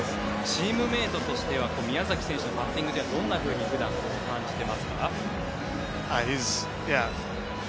チームメートとしては宮崎選手のバッティングはどんなふうに普段は感じていますか？